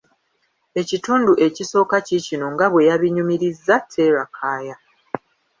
Ekitundu ekisooka kiikino nga bwe yabinyumirizza Terah Kaaya.